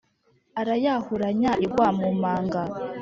arayahuranya igwa mumanga